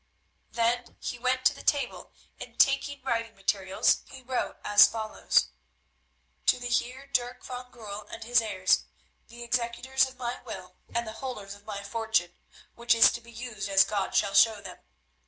Then he went to the table, and, taking writing materials, he wrote as follows: "To the Heer Dirk van Goorl and his heirs, the executors of my will, and the holders of my fortune, which is to be used as God shall show them.